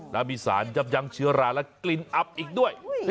แล้วมีสารยับยั้งเชื้อราและกลิ่นอับอีกด้วย